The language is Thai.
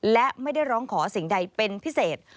และไม่ได้ร้องขอสิ่งใดเป็นพิเศษ